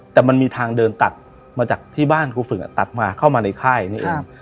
แต่มันมีทางเดินตัดมาจากที่บ้านครูฝึกตัดมาเข้ามาในค่ายนี่เอง